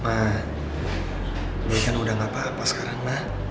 ma dia kan udah nggak apa apa sekarang ma